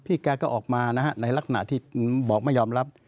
แกก็ออกมานะฮะในลักษณะที่บอกไม่ยอมรับ